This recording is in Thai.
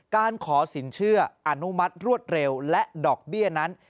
การขอสินเชื่ออนุมัติรวดเร็วและดอกเบี้ยนั้น